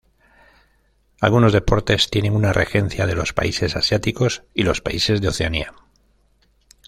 Algunos deportes tienen una regencia de los países asiáticos y los países de Oceanía.